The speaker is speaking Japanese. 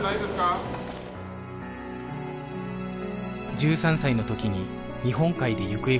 １３歳のときに日本海で行方不明に